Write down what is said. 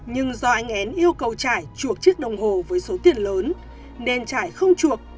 nhưng do anh én yêu cầu trả chuộc chiếc đồng hồ với số tiền lớn nên trải không chuộc